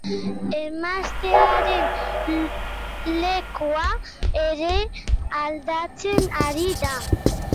Emaztearen lekua ere aldatzen ari da.